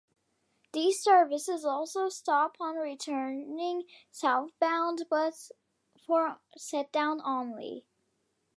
These services also stop on returning southbound but for set-down only.